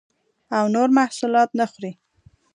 او نور محصولات نه خوري